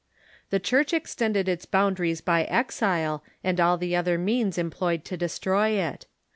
The Church extended its boundaries by exile, and all the other means employed to destroy it.